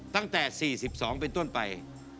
ตั้งแต่๔๒เป็นต้นไป